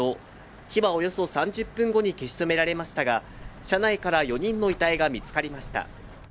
火はおよそ３０分後に消し止められましたが、車内から４人の遺体が見つかりました。